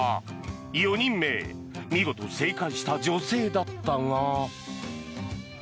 ４人目見事正解した女性だったが。